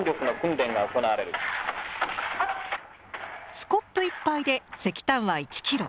スコップ１杯で石炭は１キロ。